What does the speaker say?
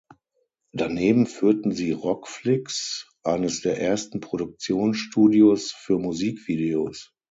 Daneben führten sie Rock Flicks, eines der ersten Produktionsstudios für Musikvideos.